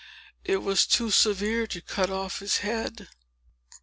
It was too severe, to cut off his head."